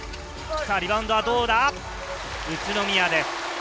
リバウンドは宇都宮です。